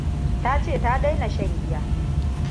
Ta ce ta daina shan giya.